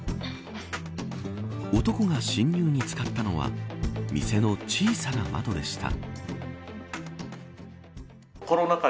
男が侵入に使ったのは店の小さな窓でした。